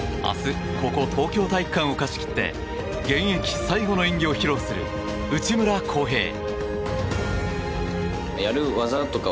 明日、ここ東京体育館を貸し切って現役最後の演技を披露する内村航平。